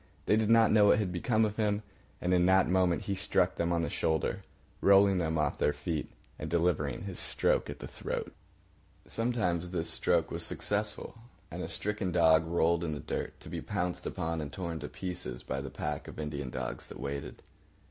They did not know what had become of him; and in that moment he struck them on the shoulder, rolling them off their feet and delivering his stroke at the throat. Sometimes this stroke was successful, and a stricken dog rolled in the dirt, to be pounced upon and torn to pieces by the pack of Indian dogs that waited.